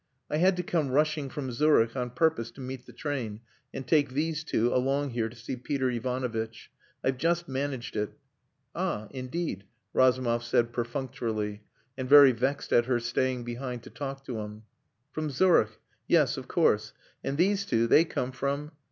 "I had to come rushing from Zurich on purpose to meet the train and take these two along here to see Peter Ivanovitch. I've just managed it." "Ah! indeed," Razumov said perfunctorily, and very vexed at her staying behind to talk to him "From Zurich yes, of course. And these two, they come from...."